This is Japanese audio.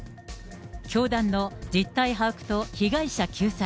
教団の実態把握と被害者救済。